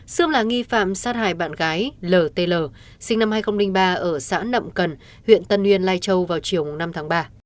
xương là nghi phạm sát hại bạn gái l t l sinh năm hai nghìn ba ở xã nậm cần huyện tân nguyên lai châu vào chiều năm tháng ba